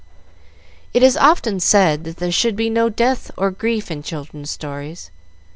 It is often said that there should be no death or grief in children's stories.